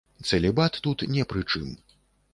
Цэлібат тут не пры чым.